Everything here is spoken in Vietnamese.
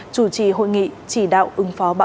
chủ trì hội nghị chỉ đạo ứng phó báo